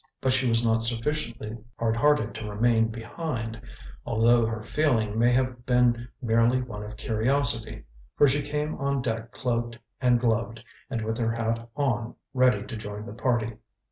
But she was not sufficiently hard hearted to remain behind although her feeling may have been merely one of curiosity for she came on deck cloaked and gloved, and with her hat on, ready to join the party.